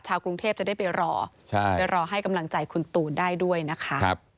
กรุงเทพจะได้ไปรอไปรอให้กำลังใจคุณตูนได้ด้วยนะคะ